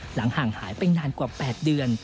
ห่างหายไปนานกว่า๘เดือน